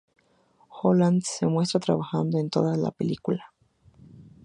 Holland se muestra trabajando en toda la película.